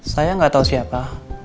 saya gak tau siapa